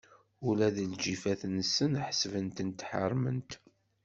Ula d lǧifat-nsen, ḥesbet-tent ḥeṛṛment.